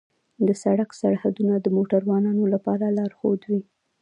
د سړک سرحدونه د موټروانو لپاره لارښود وي.